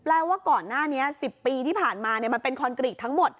ว่าก่อนหน้านี้๑๐ปีที่ผ่านมามันเป็นคอนกรีตทั้งหมด